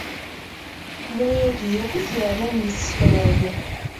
D ayagi akk i t-yerran yessefray.